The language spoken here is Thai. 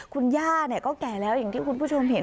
คุณย่าก็แก่แล้วอย่างที่คุณผู้ชมเห็น